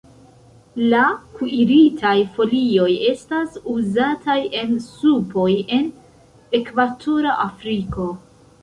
La kuiritaj folioj estas uzataj en supoj en ekvatora Afriko.